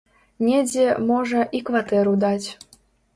Недзе, можа, і кватэру даць.